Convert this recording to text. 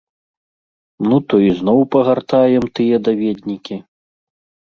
Ну, то ізноў пагартаем тыя даведнікі.